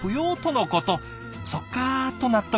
『そっか』と納得。